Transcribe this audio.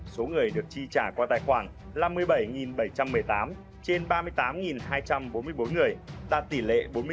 số người được tri trả qua tài khoản là năm mươi bảy bảy trăm một mươi tám trên ba mươi tám hai trăm bốn mươi bốn